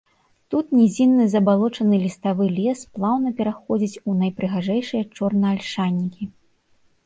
Тут нізінны забалочаны ліставы лес плаўна пераходзіць у найпрыгажэйшыя чорнаальшанікі.